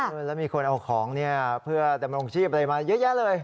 แล้วมีคนเอาของเพื่อดำรงชีพมาเยอะแยะเลย